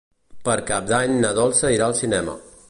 Per Cap d'Any na Dolça irà al cinema.